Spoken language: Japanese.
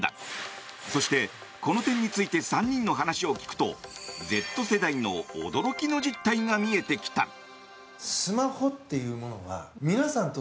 そして、この点について３人の話を聞くとＺ世代の驚きの実態が見えてきた。